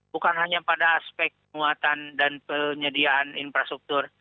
bukan hanya pada aspek muatan dan penyediaan infrastruktur